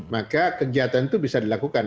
maka kegiatan itu bisa dilakukan